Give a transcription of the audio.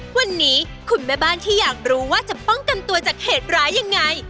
วันนี้คุณแม่บ้านที่อยากรู้ว่าจะป้องกันตัวจากเหตุร้ายยังไง